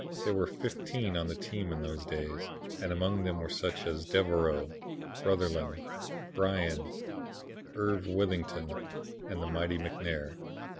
There were fifteen on the team in those days, and among them were such men as Devereaux, Brotherlin, Bryan, Irv. Withington, and the mighty McNair.